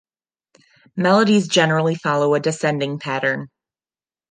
Melodies generally follow a descending pattern.